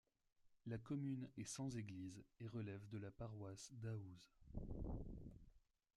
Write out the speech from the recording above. La commune est sans église et relève de la paroisse d'Aouze.